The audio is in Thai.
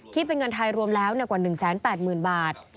คิดเป็นเงินไทยรวมแล้วกว่า๑แสน๘หมื่นบาท